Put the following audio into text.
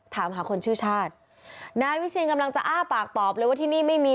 ถามหาคนชื่อชาตินายวิเชียนกำลังจะอ้าปากตอบเลยว่าที่นี่ไม่มี